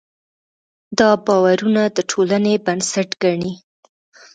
دا باورونه د ټولنې بنسټ ګڼي.